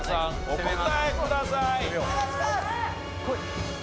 お答えください。